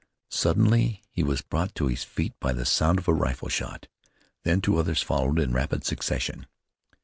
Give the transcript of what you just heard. Suddenly he was brought to his feet by the sound of a rifle shot; then two others followed in rapid succession.